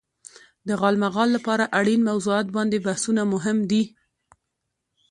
د غالمغال لپاره اړين موضوعات باندې بحثونه مهم دي.